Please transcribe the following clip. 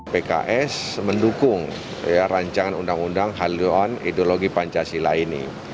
pks mendukung ruu haluan ideologi pancasila ini